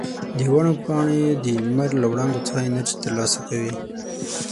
د ونو پاڼې د لمر له وړانګو څخه انرژي ترلاسه کوي.